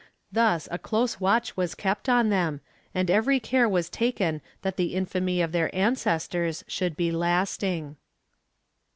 Thus a close watch was kept on them and every care was taken that the infamy of their ancestors should be lasting.'